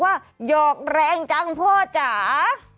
หยอกแรงจังพ่อจ๋า